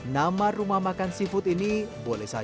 nama rumah makan seafood ini boleh saja